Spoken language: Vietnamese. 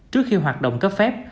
trước khi hoạt động cấp phép